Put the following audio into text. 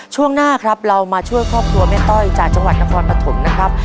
ช่วงหน้าครับเรามาช่วยครอบครัวแม่ต้อยจากจังหวัดนครปฐมนะครับ